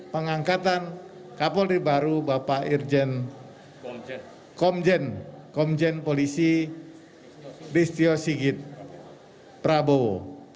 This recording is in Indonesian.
pengangkatan kapolri baru bapak irjen komjen polisi listio sigit prabowo